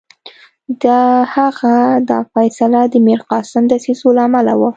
د هغه دا فیصله د میرقاسم دسیسو له امله وه.